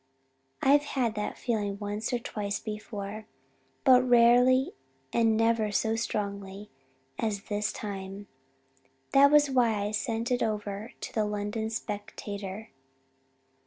I've had that feeling once or twice before, but very rarely and never so strongly as this time. That was why I sent it over to the London Spectator.